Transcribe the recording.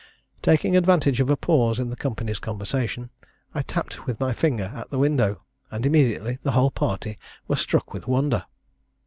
Taking advantage of a pause in the company's conversation, I tapped with my finger at the window, and immediately the whole party were struck with wonder.